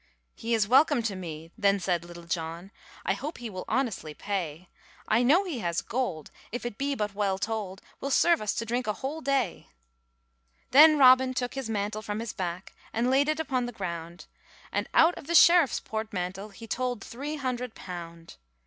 'He is welcome to me,' then said Little John, 'I hope he will honestly pay; I know he has gold, if it be but well told, Will serve us to drink a whole day.' RAINBOW GOLD Then Robin took his mantle from his back, And laid it upon the ground. And out of the sheriffe's portmantle He told three hundred pound.